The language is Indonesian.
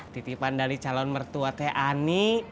titipan dari calon mertua teh ani